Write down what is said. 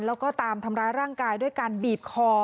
แล้วก็ตามทำร้ายร่างกายด้วยการบีบคอ